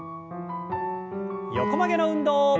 横曲げの運動。